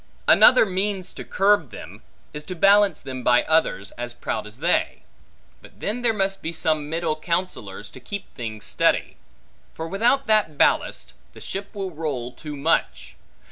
Another means to curb them, is to balance them by others, as proud as they. But then there must be some middle counsellors, to keep things steady; for without that ballast, the ship will roll too much.